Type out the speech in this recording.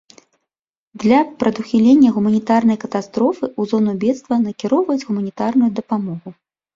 Для прадухілення гуманітарнай катастрофы ў зону бедства накіроўваюць гуманітарную дапамогу.